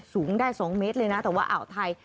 สูงได้๒เมตรเลยนะแต่ว่าอ่าวไทย